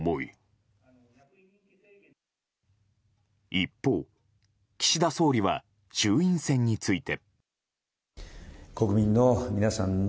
一方、岸田総理は衆院選について。